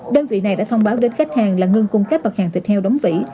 đơn vị này đã thông báo đến khách hàng là ngưng cung cấp mặt hàng thịt heo đóng vỉ